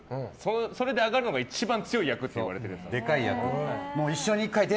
それで上がるのが一番強い役って言われてる。